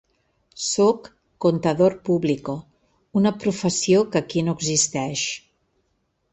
Sóc “contador público”, una professió que aquí no existeix.